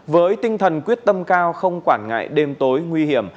với tinh thần quyết tâm cao không quản ngại đêm tối nguy hiểm